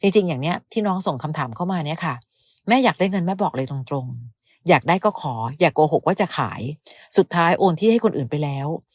จริงอย่างนี้ที่น้องส่งคำถามเข้ามาเนี่ยค่ะแม่อยากได้เงินแม่บอกเลยตรงอยากได้ก็ขออย่าโกหกว่าจะขายสุดท้ายโอนที่ให้คนอื่นไปแล้ว